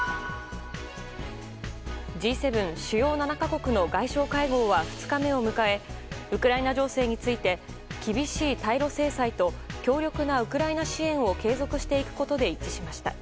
Ｇ７・主要７か国の外相会談は２日目を迎えウクライナ情勢について厳しい対ロ制裁と強力なウクライナ支援を継続していくことで一致しました。